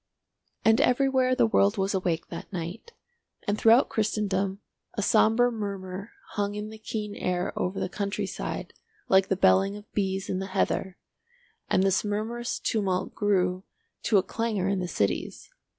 And everywhere the world was awake that night, and throughout Christendom a sombre murmur hung in the keen air over the country side like the belling of bees in the heather, and this murmurous tumult grew to a clangour in the cities.